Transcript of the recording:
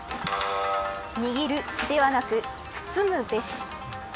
握るではなく、包むべし。